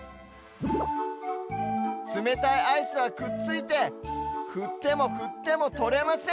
つめたいアイスはくっついてふってもふってもとれません。